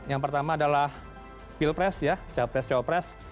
yang pertama adalah pilpres capres cowopres